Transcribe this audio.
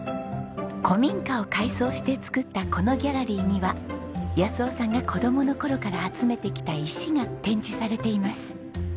古民家を改装して作ったこのギャラリーには夫さんが子供の頃から集めてきた石が展示されています。